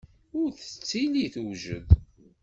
Ur tettili tewjed.